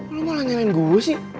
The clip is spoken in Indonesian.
lo malah nyalain gue sih